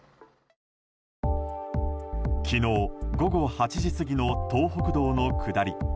昨日午後８時過ぎの東北道の下り。